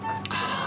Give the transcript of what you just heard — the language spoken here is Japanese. ああ！